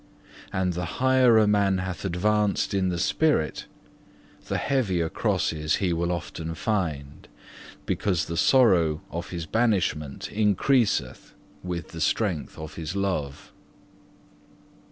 And the higher a man hath advanced in the spirit, the heavier crosses he will often find, because the sorrow of his banishment increaseth with the strength of his love.